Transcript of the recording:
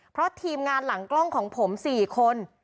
เพราะทีมงานหลังกล้องของผม๔คน